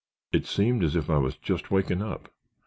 It seemed as if I was just waking up.